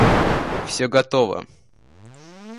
– Все готово.